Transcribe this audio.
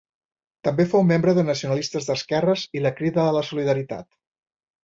També fou membre de Nacionalistes d'Esquerres i la Crida a la Solidaritat.